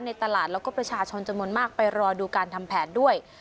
ในตลาดแล้วก็ประชาชนจำนวนมากไปรอดูการทำแผนด้วย